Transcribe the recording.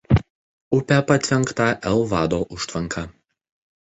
Upė patvenkta El Vado užtvanka.